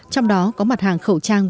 trong đó có mặt hàng khẩu trang